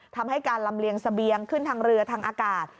ทำให้การลำเลียงเสบียงขึ้นทางเรือทางอากาศ